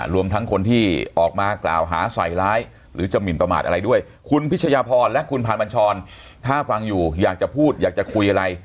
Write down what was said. รวมทั้งคนที่ออกมากล่าวหาใส่ร้ายหรือจะหมินประมาทอะไรด้วยคุณพิชยาพรและคุณผ่านบัญชรถ้าฟังอยู่อยากจะพูดอยากจะคุยอะไร